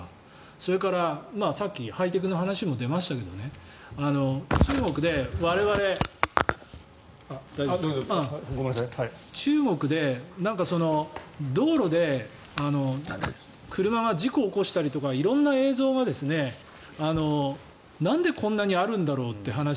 それからさっきハイテクの話も出ましたが中国で道路で車が事故を起こしたりとか色んな映像が、なんでこんなにあるんだろうって話